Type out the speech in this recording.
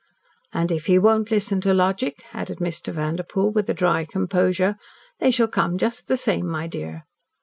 "And, if he won't listen to logic," added Mr. Vanderpoel, with a dry composure, "they shall come just the same, my dear."